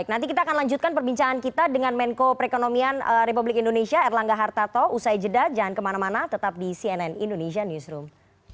nanti kita akan lanjutkan perbincangan kita dengan menko perekonomian republik indonesia erlangga hartarto usai jeda jangan kemana mana tetap di cnn indonesia newsroom